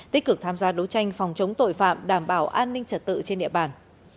tích cực tham gia đấu tranh phòng chống tội phạm đảm bảo an ninh trật tự trên địa bàn